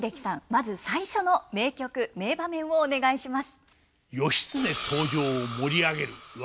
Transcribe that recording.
まず最初の名曲名場面をお願いします。